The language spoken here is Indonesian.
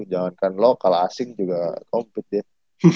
jangankan lo kalau asing juga compete deh